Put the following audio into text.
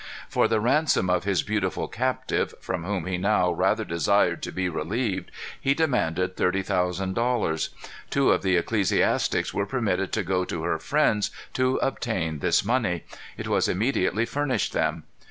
For the ransom of his beautiful captive, from whom he now rather desired to be relieved, he demanded thirty thousand dollars. Two of the ecclesiastics were permitted to go to her friends to obtain this money. It was immediately furnished them.